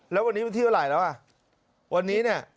แล้ววันนี้วันที่เท่าไหร่แล้วอ่ะวันนี้เนี่ย